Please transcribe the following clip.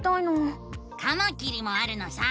カマキリもあるのさ！